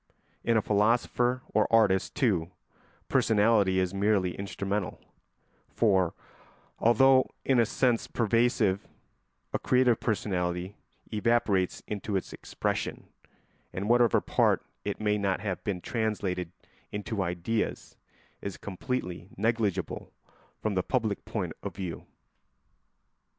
In a philosopher or artist, too, personality is merely instrumental, for, although in a sense pervasive, a creative personality evaporates into its expression, and whatever part of it may not have been translated into ideas is completely negligible from the public point of view.